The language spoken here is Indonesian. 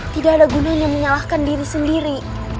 tidak ada gunanya menyalahkan diri sendiri